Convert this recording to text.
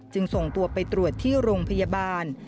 จึงส่งตัวไปตรวจที่โรงพยาบาล